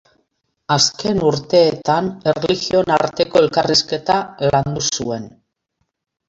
Azken urteetan erlijioen arteko elkarrizketa landu zuen.